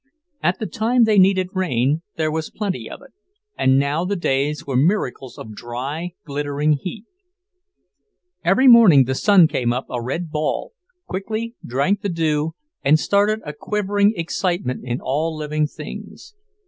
At the time they needed rain, there was plenty of it; and now the days were miracles of dry, glittering heat. Every morning the sun came up a red ball, quickly drank the dew, and started a quivering excitement in all living things.